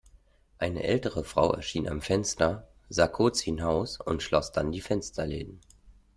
Eine ältere Frau erschien am Fenster, sah kurz hinaus und schloss dann die Fensterläden.